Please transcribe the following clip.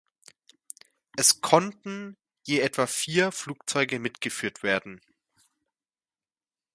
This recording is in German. Es konnten je etwa vier Flugzeuge mitgeführt werden.